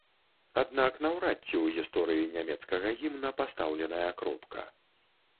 Аднак наўрад ці ў гісторыі нямецкага гімна пастаўленая кропка.